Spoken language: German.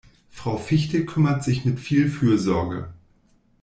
Frau Fichte kümmert sich mit viel Fürsorge.